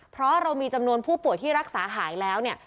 เพราะเรามีจำนวนผู้ป่วยที่รักษาหายแล้วเนี่ย